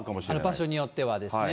場所によってはですね。